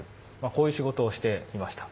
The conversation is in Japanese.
こういう仕事をしていました。